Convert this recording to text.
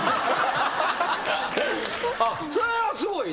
それはすごいね。